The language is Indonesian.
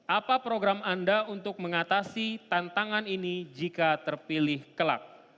apa program anda untuk mengatasi tantangan ini jika terpilih kelak